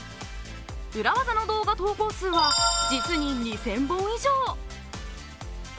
裏技の動画投稿数は実に２０００本以上。